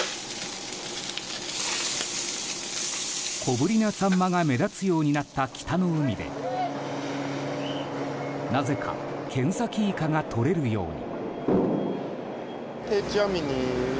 小ぶりなサンマが目立つようになった北の海でなぜかケンサキイカがとれるように。